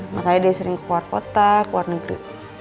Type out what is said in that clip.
makanya dia sering keluar kota keluar negeri